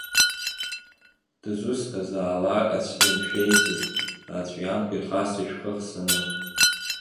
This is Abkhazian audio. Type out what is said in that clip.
Дызусҭазаалак аӡәдышәмеиӡо, аҵәҩанқәа ирхасҵоит шәхы хсаны.